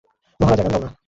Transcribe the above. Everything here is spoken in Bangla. মহারাজা, গান গাও না!